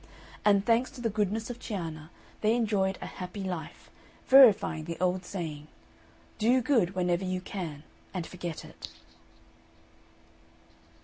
And, thanks to the goodness of Cianna, they enjoyed a happy life, verifying the old saying "Do good whenever you can, and forget it."